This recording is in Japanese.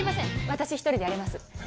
私１人でやれます